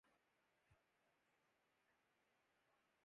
یہ فتنہ‘ آدمی کی خانہ ویرانی کو کیا کم ہے؟